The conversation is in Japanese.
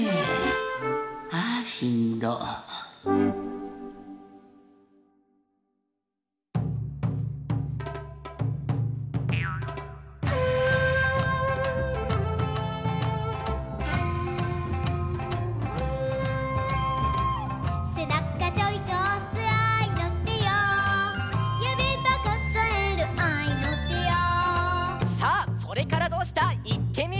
「それからどうした！」いってみよう！